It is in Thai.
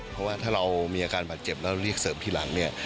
เพราะว่าถ้าเรามีอาการบาดเจ็บแล้วเรียกเสริมทีหลังเนี่ย